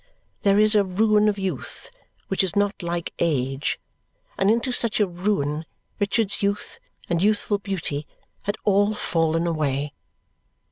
There is a ruin of youth which is not like age, and into such a ruin Richard's youth and youthful beauty had all fallen away.